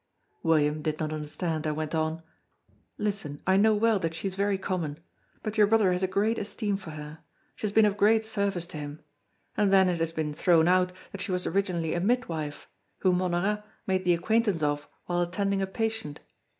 William did not understand, and went on: "Listen, I know well that she is very common; but your brother has a great esteem for her; she has been of great service to him; and then it has been thrown out that she was originally a midwife, whom Honorat made the acquaintance of while attending a patient.